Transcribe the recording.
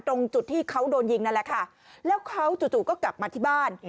ตรงจุดที่เขาโดนยิงนั่นแหละค่ะแล้วเขาจู่ก็กลับมาที่บ้าน